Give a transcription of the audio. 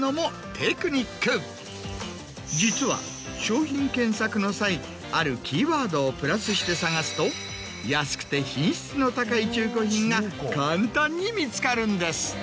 実は商品検索の際あるキーワードをプラスして探すと安くて品質の高い中古品が簡単に見つかるんです。